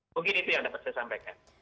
mungkin itu yang dapat saya sampaikan